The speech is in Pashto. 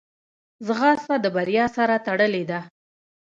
ځغاسته د بریا سره تړلې ده